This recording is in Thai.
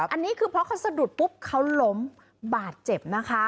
อันนี้คือเพราะเขาสะดุดปุ๊บเขาล้มบาดเจ็บนะคะ